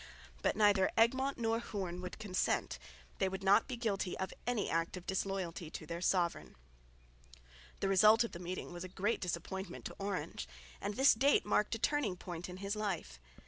But neither Egmont nor Hoorn would consent; they would not be guilty of any act of disloyalty to their sovereign. The result of the meeting was a great disappointment to Orange, and this date marked a turning point in his life.